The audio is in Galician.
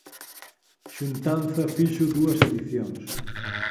Xuntanza fixo dúas edicións.